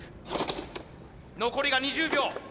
残りが２０秒。